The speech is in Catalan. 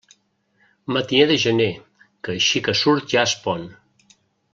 Matiner de gener, que així que surt ja es pon.